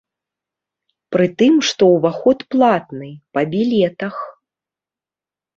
Прытым што ўваход платны, па білетах!